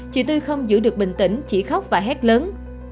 chị tư không giữ được bình tĩnh chỉ khóc và hét lớn